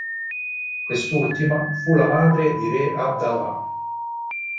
Quest'ultima fu la madre di re Abd Allah.